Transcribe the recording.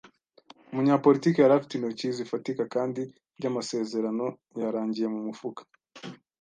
Umunyapolitike yari afite intoki zifatika, kandi byamasezerano yarangiye mumufuka